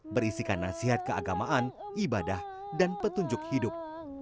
berisikan nasihat keagamaan ibadah dan petunjuk hidup